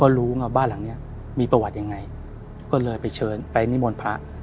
รู้ไงบ้านหลังเนี้ยมีประวัติยังไงก็เลยไปเชิญไปนิมนต์พระ